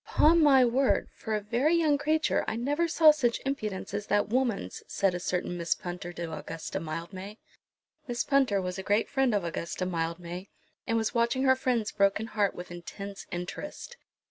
"Upon my word, for a very young creature I never saw such impudence as that woman's," said a certain Miss Punter to Augusta Mildmay. Miss Punter was a great friend of Augusta Mildmay, and was watching her friend's broken heart with intense interest.